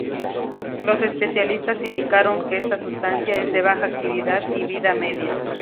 Los especialistas indicaron que esta sustancia es de baja actividad y vida media.